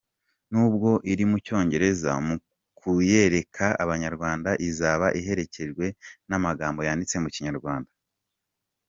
Nubwo iri mu Cyongereza, mu kuyereka Abanyarwanda izaba iherekejwe n’amagambo yanditse mu Kinyarwanda.